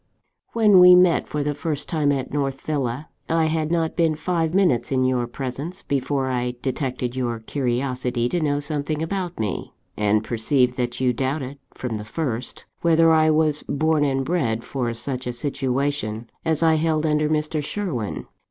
"When we met for the first time at North Villa, I had not been five minutes in your presence before I detected your curiosity to know something about me, and perceived that you doubted, from the first, whether I was born and bred for such a situation as I held under Mr. Sherwin.